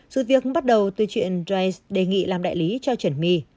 sự việc bắt đầu từ chuyện dreis đề nghị làm đại lý cho trần my